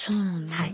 はい。